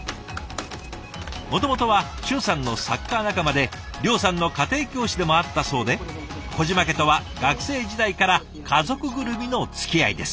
もともとは俊さんのサッカー仲間で諒さんの家庭教師でもあったそうで小嶋家とは学生時代から家族ぐるみのつきあいです。